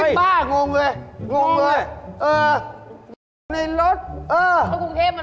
ที่บ่างงเลยเห็นไงงงเลยเห็นไงเห็นไง